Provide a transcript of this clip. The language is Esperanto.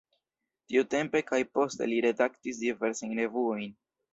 Tiutempe kaj poste li redaktis diversajn revuojn.